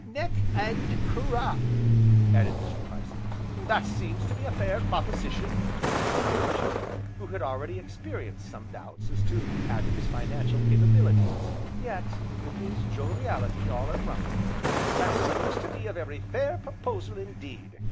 "Neck, and crop!" added Mr. Parsons. "That seems to be a fair proposition," smiled the Auctioneer, who had already experienced some doubts as to Adam's financial capabilities, yet with his joviality all unruffled, "that seems to be a very fair proposal indeed.